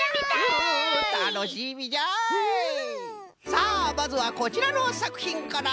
さあまずはこちらのさくひんから！